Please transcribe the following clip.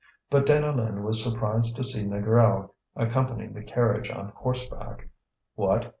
But Deneulin was surprised to see Négrel accompanying the carriage on horseback. What!